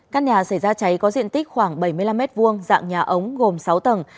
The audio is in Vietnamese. căn nhà xảy ra cháy có diện tích khoảng bảy mươi năm m hai dạng nhà ống gồm sáu tầng